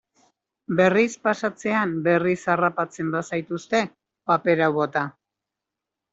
Berriz pasatzean berriz harrapatzen bazaituzte, paper hau bota.